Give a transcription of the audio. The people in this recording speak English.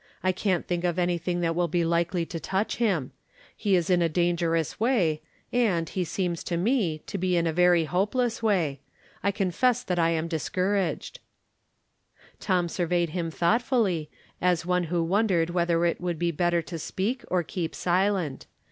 I can't think of any thing that will be likely to touch him. He is in a dangerous way, and, he seems to me, to be in a From Different Standpoints. 307 very hopeless way. I confess that I am discour aged." Tom surveyed him thoughtfully, as one who wondered whether it would be better to speak or keep silent.